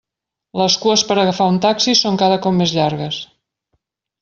Les cues per agafar un taxi són cada cop més llargues.